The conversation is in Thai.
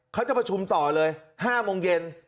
เขาจะประชุมต่อเลย๕โมงเย็น